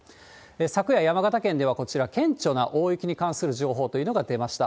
昨夜、山形県ではこちら、顕著な大雪に関する情報というのが出ました。